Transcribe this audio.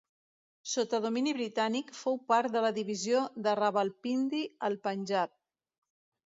Sota domini britànic fou part de la divisió de Rawalpindi al Panjab.